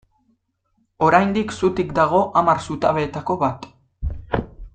Oraindik zutik dago hamar zutabeetako bat.